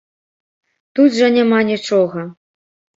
Тут жа няма нічога.